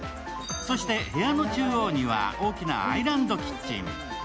そして部屋の中央には大きなアイランドキッチン。